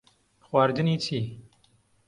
خواردنی چی؟